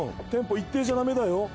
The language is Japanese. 一定じゃダメだよ